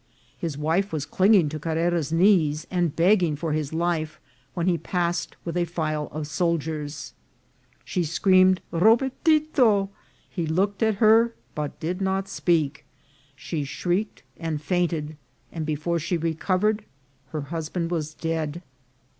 His wife was clinging to Carrera's knees, and begging for his life when he passed with a file of soldiers. She scream ed " Robertito ;" he looked at her, but did not speak. She shrieked and fainted, and before she recovered her husband was dead.